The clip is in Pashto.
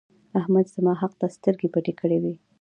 احمد زما حق ته سترګې پټې کړې وې.